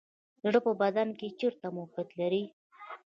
زړه په بدن کې چیرته موقعیت لري